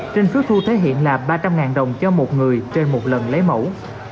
trên số thu thể hiện là ba trăm linh đồng cho một người trên một lần lấy mẫu